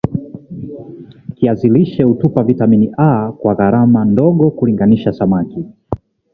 kiazi lishe hutupa vitamini A kwa gharama ndogo kulinganisha samak